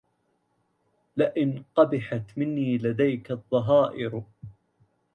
لئن قبحت مني لديك الظهائر